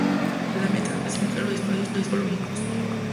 La meta es clasificar los espacios topológicos.